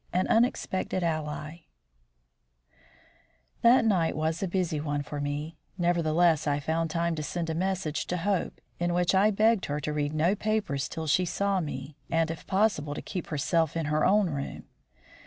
XXX AN UNEXPECTED ALLY That night was a busy one for me; nevertheless I found time to send a message to Hope, in which I begged her to read no papers till she saw me, and, if possible, to keep herself in her own room.